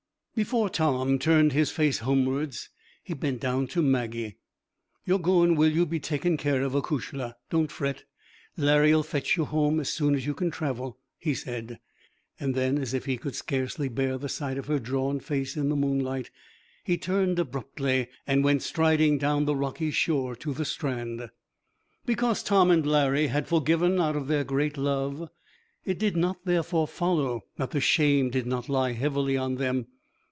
Before Tom turned his face homewards he bent down to Maggie. 'You're goin' where you'll be taken care of, acushla. Don't fret; Larry'll fetch you home as soon as you can travel,' he said. And then, as if he could scarcely bear the sight of her drawn face in the moonlight, he turned abruptly, and went striding down the rocky shore to the strand. Because Tom and Larry had forgiven out of their great love, it did not therefore follow that the shame did not lie heavily on them.